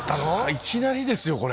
いきなりですよこれ。